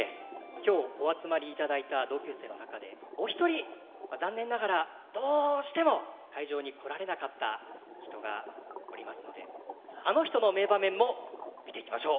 今日お集まりいただいた同級生の中でお一人残念ながらどうしても会場に来られなかった人がおりますのであの人の名場面も見ていきましょう。